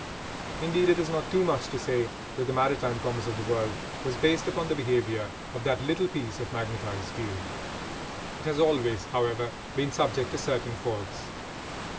Indeed, it is not too much to say that the maritime commerce of the world was based upon the behaviour of that little piece of magnetised steel. It has always, however, been subject to certain faults.